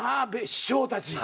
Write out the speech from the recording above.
師匠たち。